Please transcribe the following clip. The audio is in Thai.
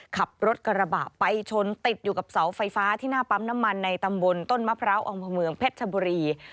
ขับรถกระบะไปชนติดอยู่กับเสาไฟฟ้าที่หน้าปั๊มน้ำมันในตำบลต้นมะพร้าวองพเมืองเพชรชบุรี